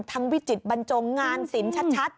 ทั้งวิจิตบรรจงงานสินชัด